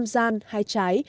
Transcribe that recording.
năm gian hai trái